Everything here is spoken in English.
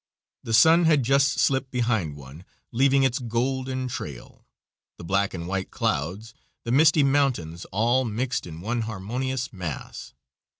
The sun had just slipped behind one, leaving its golden trail, the black and white clouds, the misty mountains all mixed in one harmonious mass.